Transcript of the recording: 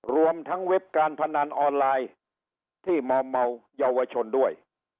รวมทั้งเว็บการพนันออนไลน์ที่มอมเมาเยาวชนด้วย